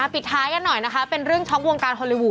ปิดท้ายกันหน่อยนะคะเป็นเรื่องช็อกวงการฮอลลีวูด